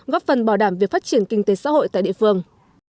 góp phần bảo đảm việc phát triển kinh tế xã hội tại địa phương